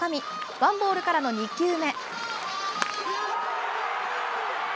ワンボールからの２球目。